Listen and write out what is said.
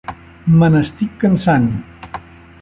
Me n'estic cansant.